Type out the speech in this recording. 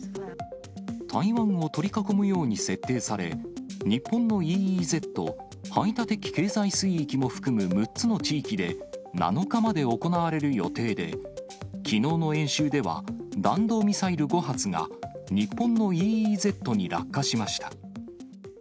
台湾を取り囲むように設定され、日本のＥＥＺ・排他的経済水域も含む６つの地域で、７日まで行われる予定で、きのうの演習では、弾道ミサイル５発が日本のＥＥＺに落下しました。